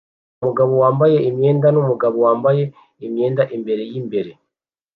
Umugabo wambaye imyenda numugabo wambaye imyenda imbere yimbere